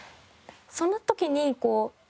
そんな時にこう。